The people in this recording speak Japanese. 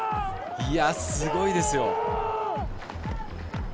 いやあ、すごいですよ。